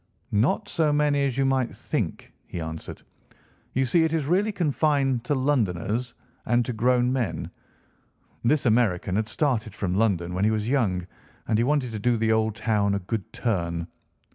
"'Not so many as you might think,' he answered. 'You see it is really confined to Londoners, and to grown men. This American had started from London when he was young, and he wanted to do the old town a good turn.